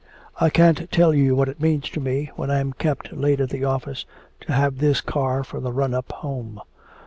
I can't tell you what it means to me, when I'm kept late at the office, to have this car for the run up home.